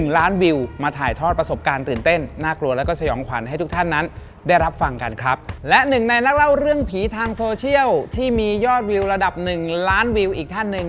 และหนึ่งในนักเล่าเรื่องผีทางโซเชียลที่มียอดวิวระดับ๑ล้านวิวอีกท่านหนึ่ง